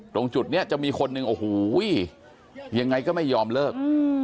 ตรงจุดนี้จะมีคนหนึ่งโอ้โหยังไงก็ไม่ยอมเลิก